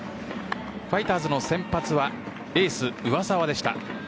ファイターズの先発はエース、上沢でした。